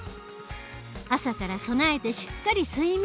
朝から備えてしっかり睡眠。